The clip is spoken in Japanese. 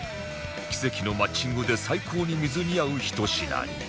奇跡のマッチングで最高に水に合う１品に